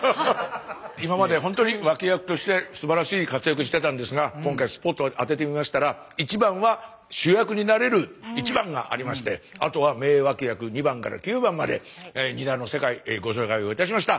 今までほんとに脇役としてすばらしい活躍してたんですが今回スポットを当ててみましたら１番は主役になれる１番がありましてあとは名脇役２番から９番までニラの世界ご紹介をいたしました。